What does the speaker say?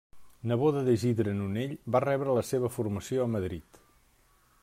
Neboda d'Isidre Nonell, va rebre la seva formació a Madrid.